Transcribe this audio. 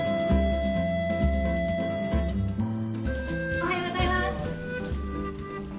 おはようございます。